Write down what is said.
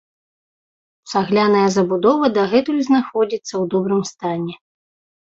Цагляная забудова дагэтуль знаходзіцца ў добрым стане.